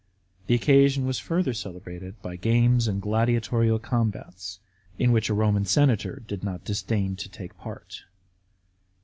The occasion was further celebrated by games and gladiatorial combats, in which a Roman senator did not disdain to take part.